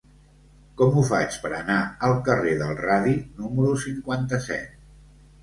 Com ho faig per anar al carrer del Radi número cinquanta-set?